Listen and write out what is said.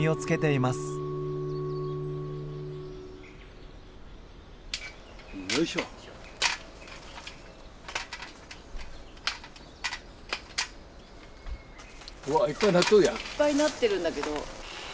いっぱいなってるんだけど。